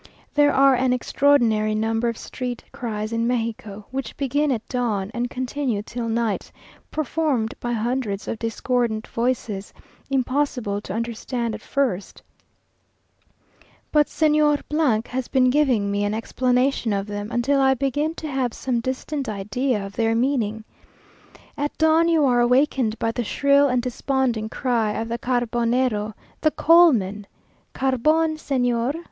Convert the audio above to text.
There are an extraordinary number of street cries in Mexico, which begin at dawn and continue till night, performed by hundreds of discordant voices, impossible to understand at first; but Señor has been giving me an explanation of them, until I begin to have some distinct idea of their meaning. At dawn you are awakened by the shrill and desponding cry of the Carbonero, the coalmen, "Carbón, Señor?"